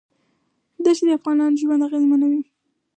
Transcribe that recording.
ښتې د افغانانو ژوند اغېزمن کوي.